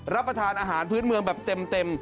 รับประทานอาหารพื้นเมืองแบบเต็ม